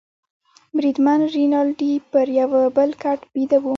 بریدمن رینالډي پر یوه بل کټ بیده وو.